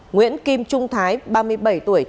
nguyễn kim trung thái ba mươi bảy tuổi